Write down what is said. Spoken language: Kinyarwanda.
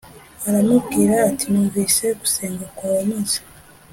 aramubwira ati Numvise gusenga kwawe maze